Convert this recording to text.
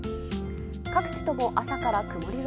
各地とも朝から曇り空。